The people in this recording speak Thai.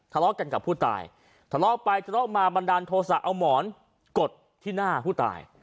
ทะเลาะกันกับผู้ตายทะเลาะไปทะเลาะมาบันดาลโทษะเอาหมอนกดที่หน้าผู้ตาย